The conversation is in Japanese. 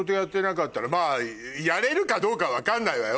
まぁやれるかどうか分かんないわよ